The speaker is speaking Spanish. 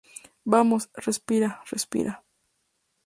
vamos, respira, respira.